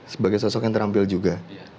sebagai sosok yang terampil juga